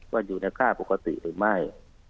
ว่าอยู่ในค่าปกติหรือไม่